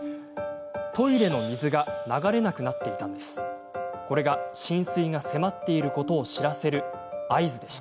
トイレの水が流れなくなっていたのです。